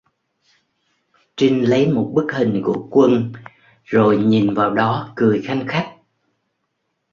Trình lấy một bức hình của quân rồi nhìn vào đó cười khanh khách